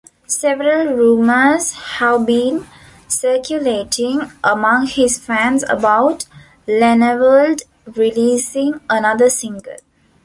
Several rumours have been circulating among his fans about Lennevald releasing another single.